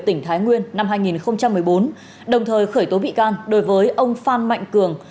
tỉnh thái nguyên năm hai nghìn một mươi bốn đồng thời khởi tố bị can đối với ông phan mạnh cường